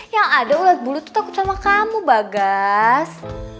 yang ada ulat bulu takut sama kamu bagas